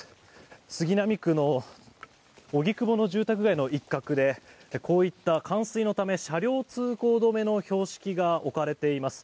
杉並区の荻窪の住宅街の一角でこういった冠水のため車両通行止めの標識が置かれています。